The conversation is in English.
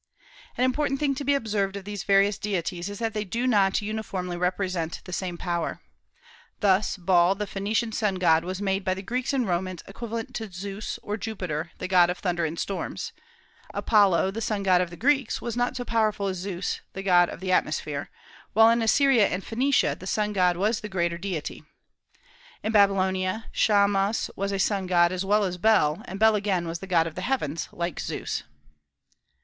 An important thing to be observed of these various deities is that they do not uniformly represent the same power. Thus Baal, the Phoenician sun god, was made by the Greeks and Romans equivalent to Zeus, or Jupiter, the god of thunder and storms. Apollo, the sun god of the Greeks, was not so powerful as Zeus, the god of the atmosphere; while in Assyria and Phoenicia the sun god was the greater deity. In Babylonia, Shamas was a sun god as well as Bel; and Bel again was the god of the heavens, like Zeus.